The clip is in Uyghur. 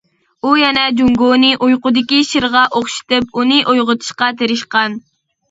ئۇ يەنە جۇڭگونى ئۇيقۇدىكى شىرغا ئوخشىتىپ، ئۇنى ئويغىتىشقا تىرىشقان.